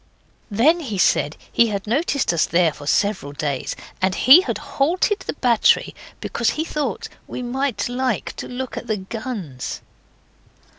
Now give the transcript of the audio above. Then he said he had noticed us there for several days, and he had halted the battery because he thought we might like to look at the guns.